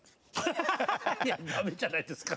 ハハハいやダメじゃないですか。